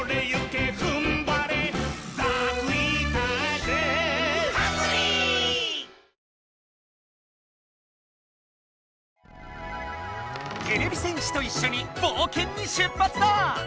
てれび戦士といっしょに冒険に出発だ！